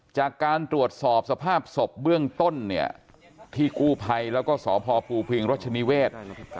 จากการตรวจสอบสภาพศพเบื้องต้นเนี่ยที่กู้ภัยแล้วก็สพภูพิงรัชนิเวศ